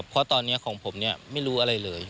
เพราะตอนนี้ของผมเนี่ยไม่รู้อะไรเลย